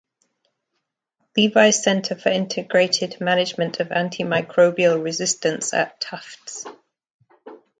Levy Center for Integrated Management of Antimicrobial Resistance at Tufts.